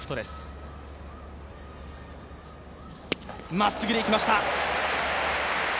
まっすぐでいきました。